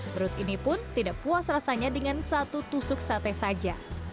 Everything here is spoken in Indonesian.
perut ini pun tidak puas rasanya dengan satu tusuk sate saja